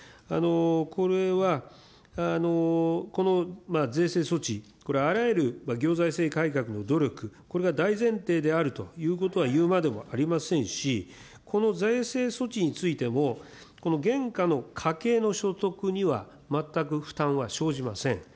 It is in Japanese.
これは、この税制措置、これ、あらゆる行財政改革の努力、これが大前提であるということは言うまでもありませんし、この税制措置についても、この現下の家計の所得には全く負担は生じません。